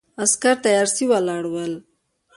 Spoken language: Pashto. عسکر تیارسي ولاړ ول.